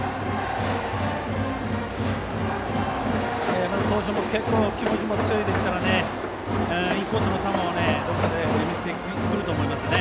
山田投手、結構気持ちも強いですからインコースの球をどこかで見せてくると思いますね。